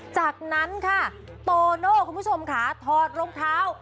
จากนั้นค่ะโตโน่คุณผู้ชมค่ะถอดรองเท้า